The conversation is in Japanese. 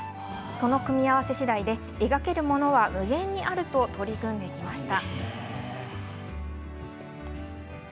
その組み合わせしだいで、描けるものは無限にあると、取り組んできました。